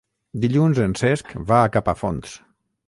Dilluns en Cesc va a Capafonts.